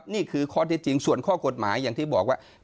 นี่คือข้อที่จริงส่วนข้อกฎหมายอย่างที่บอกว่า